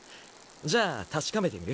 じゃあ確かめてみる？